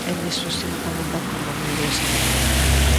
E nisto estivo tamén de acordo a maioría sindical.